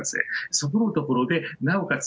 そこのところで、なおかつ